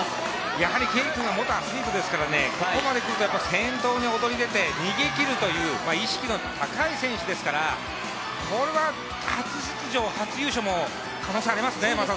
やはりＫ君は元アスリートですから、ここまできたら先頭に躍り出て先頭に躍り出て逃げきるという意識の高い選手ですから、初出場、初優勝も可能性がありますね。